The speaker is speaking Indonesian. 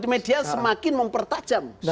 media semakin mempertajam